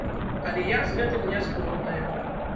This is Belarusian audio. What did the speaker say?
Але я з гэтым не згодная.